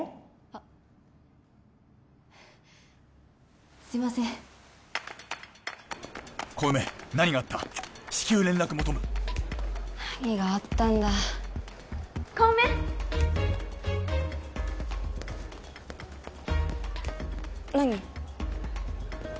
あすいません何があったんだ小梅何？